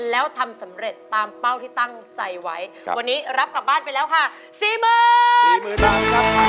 แล้วทำสำเร็จตามเป้าที่ตั้งใจไว้วันนี้รับกลับบ้านไปแล้วค่ะสี่หมื่น